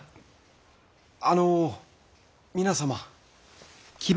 あの皆様！